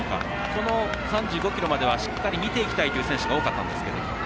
この３５ｋｍまではしっかり見ていきたいという選手が多かったんですけれども。